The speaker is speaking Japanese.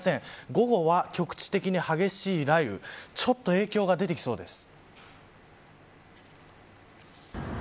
午後は局地的に激しい雷雨ちょっと影響が出てきそうです。